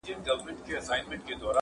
ایله چي په امان دي له واسکټه سوه وګړي-